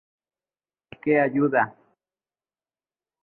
Que ayuda.